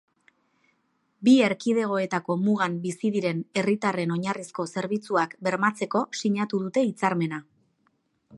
Bi erkidegoetako mugan bizi diren herritarren oinarrizko zerbitzuak bermatzeko sinatu dute hitzarmena.